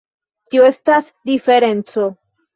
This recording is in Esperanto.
Tio estas diferenco.